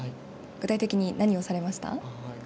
具体的に何をされました？